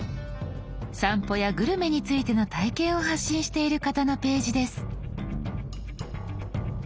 散歩やグルメについての体験を発信している方のページです。